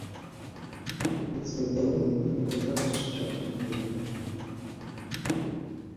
Ma tqebleḍ, bɣiɣ ad as-fkeɣ axeddim.